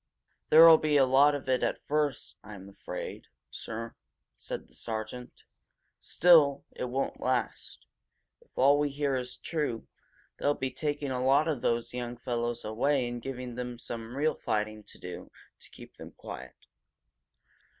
"There'll be a lot of it at first, I'm afraid, sir," said the sergeant. "Still, it won't last. If all we hear is true, they'll be taking a lot of those young fellows away and giving them some real fighting to do to keep them quiet."